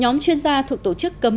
nhóm chuyên gia thuộc tổ chức cấm mạc